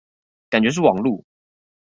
感覺是網路